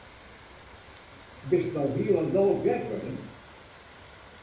Bist no hielendal gek wurden?